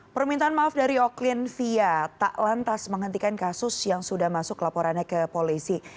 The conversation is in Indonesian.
permintaan maaf dari oklin via tak lantas menghentikan kasus yang sudah masuk laporannya ke polisi